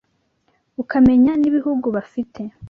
Ukamenya n’ibihugu bafite